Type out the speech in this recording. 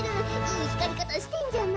いい光り方してんじゃない。